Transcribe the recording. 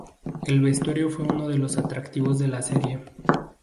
El vestuario fue uno de los atractivos de la serie.